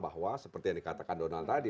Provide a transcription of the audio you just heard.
bahwa seperti yang dikatakan donald tadi